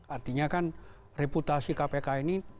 artinya kan reputasi kpk ini